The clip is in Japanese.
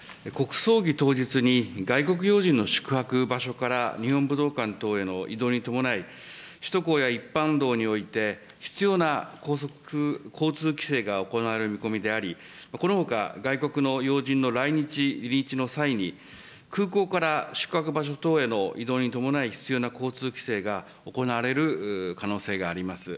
国葬儀当日に、外国要人の宿泊場所から日本武道館等への移動に伴い、首都高や一般道において、必要な交通規制が行われる見込みであり、このほか外国の要人の来日の際に、空港から宿泊場所等への移動に伴い必要な交通規制が行われる可能性があります。